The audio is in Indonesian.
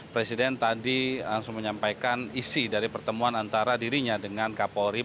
presiden tadi langsung menyampaikan isi dari pertemuan antara dirinya dengan kapolri